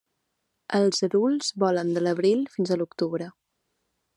Els adults volen de l'abril fins a l'octubre.